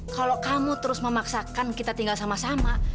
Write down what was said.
kalau kamu terus memaksakan kita tinggal sama sama